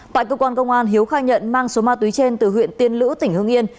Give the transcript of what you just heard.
tại cơ quan công an hiếu khai nhận mang số ma túy trên từ huyện tiên lữ tỉnh hương yên